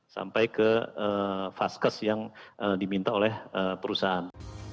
sampai ke vaskes yang diminta oleh perusahaan